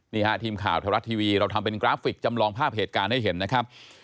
ทีมข่าวไทยรัฐทีวีเราทำเป็นกราฟิกจำลองภาพเหตุการณ์ให้เห็นนะครับ